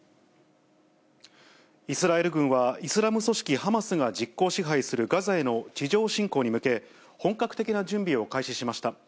イスラエル軍は、イスラム組織ハマスが実効支配するガザへの地上侵攻に向け、本格的な準備を開始しました。